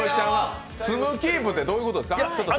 住むキープってどういうことですか？